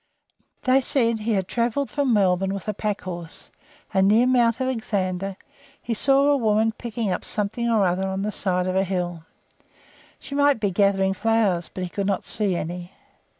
They said he had travelled from Melbourne with a pack horse, and, near Mount Alexander, he saw a woman picking up something or other on the side of a hill. She might be gathering flowers, but he could not see any.